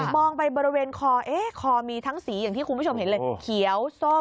มองไปบริเวณคอคอมีทั้งสีอย่างที่คุณผู้ชมเห็นเลยเขียวส้ม